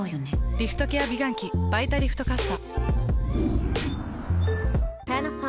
リフトケア美顔器「バイタリフトかっさ」。